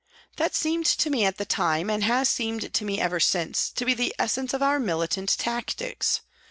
That seemed to me at the time, and has seemed to me ever since, to be the essence of our militant tactics.